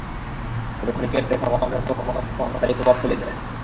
তবে ক্ষণিকের দেখা পাওয়া মেঘও কখনো কখনো স্থায়ী প্রভাব ফেলে যায়।